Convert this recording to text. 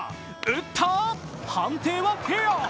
打った判定はフェア。